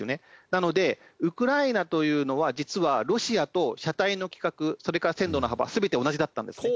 なのでウクライナというのは実はロシアと車体の規格それから線路の幅全て同じだったんですね。